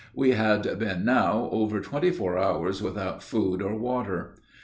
We had been now over twenty four hours without food or water.